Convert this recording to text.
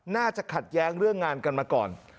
น่าจะขัดแย้งเรื่องงานกันมาก่อน